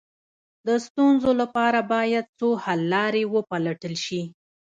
د ستونزو لپاره باید څو حل لارې وپلټل شي.